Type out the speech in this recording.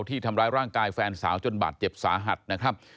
ที่ทำร้ายร่างกายแฟนสาวจนบาดเจ็บสาหัสนะครับ